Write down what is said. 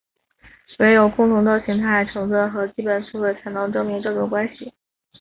惟有共同的形态成分和基本词汇才能证明这种关系。